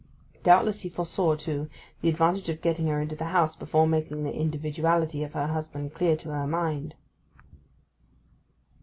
Doubtless he foresaw, too, the advantage of getting her into the house before making the individuality of her husband clear to her mind.